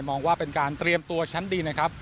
มองว่าเป็นการเตรียมตัวชั้นดีนะครับ